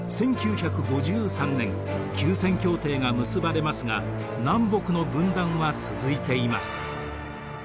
１９５３年休戦協定が結ばれますが南北の分断は続いています。